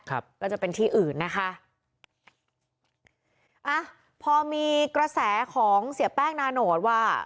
ก็จะเป็นที่อื่นนะคะอ่ะพอมีกระแสของเสียแป้งนาโนตว่า